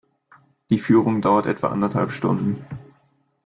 Die Führung dauert etwa anderthalb Stunden.